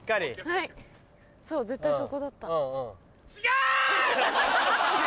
はいそう絶対そこだった。